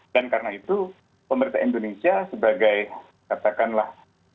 dan karena itu pemerintah indonesia sebagai katakanlah